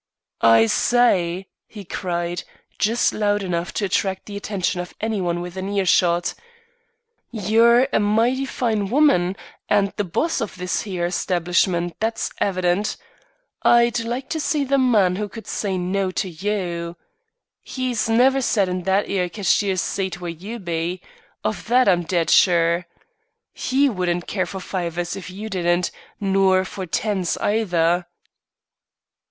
"I say," he cried, just loud enough to attract the attention of any one within ear shot. "You're a mighty fine woman and the boss of this here establishment; that's evident. I'd like to see the man who could say no to you. He's never sat in that 'ere cashier's seat where you be; of that I'm dead sure. He wouldn't care for fivers if you didn't, nor for tens either."